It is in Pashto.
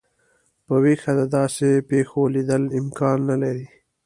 په ویښه د داسي پیښو لیدل امکان نه لري.